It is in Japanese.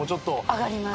上がりますね。